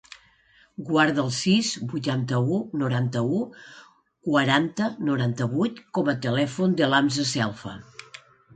Guarda el sis, vuitanta-u, noranta-nou, quaranta, noranta-vuit com a telèfon de l'Hamza Selfa.